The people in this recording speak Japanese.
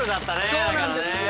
そうなんですよ。